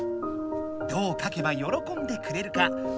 どうかけば喜んでくれるか？